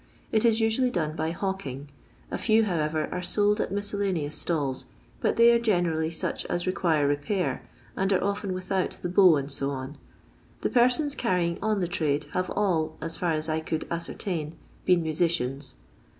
It is nsually done by hawking. A few, however, are sold at miscelhweons stalls, but they are generally such as require repair, and are often without the bow, &C. The persons carrying on the trade have all, as iar as I could ascertain, been musicians.